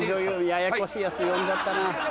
ややこしいヤツ呼んじゃったな。